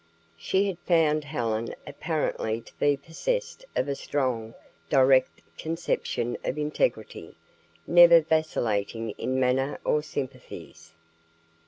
She had found Helen apparently to be possessed of a strong, direct conception of integrity, never vacillating in manner or sympathies.